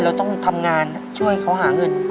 เราต้องทำงานช่วยเขาหาเงิน